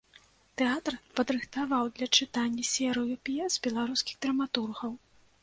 Тэатр падрыхтаваў для чытання серыю п'ес беларускіх драматургаў.